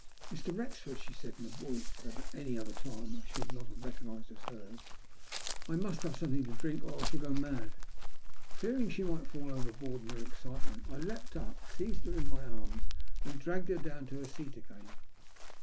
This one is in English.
Mr. Wrexxord," she said, m a voice that at any other time I should not have recognised as hers, " I must have something to drink or I shall go mad." Fearing she might fall overboard in her excite ment, I leapt up, seized her in my arms, and dragged her down to her seat again.